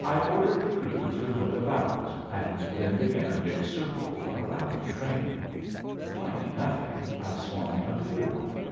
I ordered the crew to look about, and then began a big circle around the train. Finding nothing, I swung a bigger one.